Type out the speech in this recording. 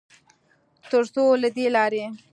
ترڅوله دې لارې